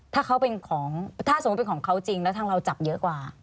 ถ้าเขาเป็นของถ้าสมมุติเป็นของเขาจริงแล้วทางเราจับเยอะกว่า